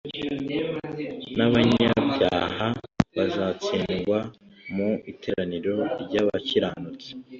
N’abanyabyaha bazatsindirwa mu iteraniro ry’abakiranutsi.